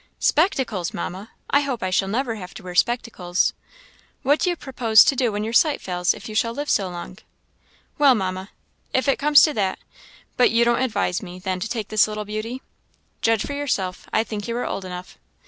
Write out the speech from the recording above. "Spectacles, Mamma! I hope I shall never have to wear spectacles." "What do you propose to do when your sight fails, if you shall live so long?" "Well, Mamma, if it comes to that; but you don't advise me, then, to take this little beauty?" "Judge for yourself; I think you are old enough."